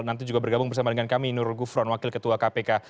nanti juga bergabung bersama dengan kami nurul gufron wakil ketua kpk